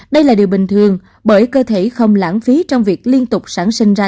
đây là điều bình thường bởi cơ thể không lãng phí trong việc liên tục sản sinh ra